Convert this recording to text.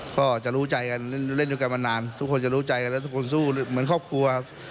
ก็จะรู้ใจกันเล่นด้วยกันมานานทุกคนจะรู้ใจกันแล้วทุกคนสู้เหมือนครอบครัวครับ